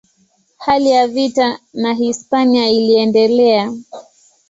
Hali ya vita na Hispania iliendelea.